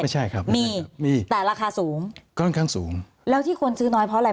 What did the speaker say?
ไม่ใช่ครับมีมีแต่ราคาสูงค่อนข้างสูงแล้วที่คนซื้อน้อยเพราะอะไร